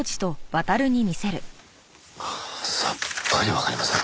ああさっぱりわかりません。